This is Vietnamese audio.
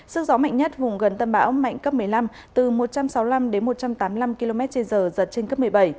sức gió mạnh nhất vùng gần tâm bão mạnh cấp một mươi năm từ một trăm sáu mươi năm đến một trăm tám mươi năm km trên giờ giật trên cấp một mươi bảy